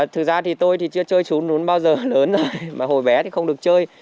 thực ra thì tôi chưa chơi thú nhún bao giờ lớn rồi mà hồi bé thì không được chơi